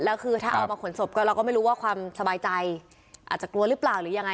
แล้วคือถ้าเอามาขนศพก็เราก็ไม่รู้ว่าความสบายใจอาจจะกลัวหรือเปล่าหรือยังไง